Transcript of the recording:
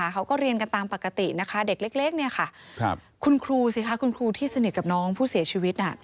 เขาก็เรียนกันตามปกติน่ะเด็กเล็กคุณครูที่สนิทกับพูดเสียชีวิต